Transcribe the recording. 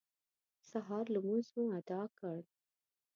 د سهار لمونځ مو اداء کړ.